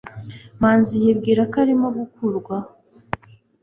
manzi yibwira ko arimo gukurwaho. (Spamster)